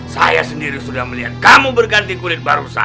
saya sendiri sudah melihat kamu berganti kulit barusan